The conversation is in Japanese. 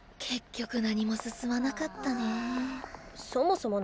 結局何も進まなかったね。